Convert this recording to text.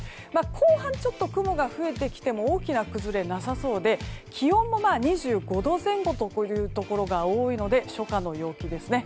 後半、ちょっと雲が増えてきても大きな崩れはなさそうで気温も２５度前後のところが多く初夏の陽気ですね。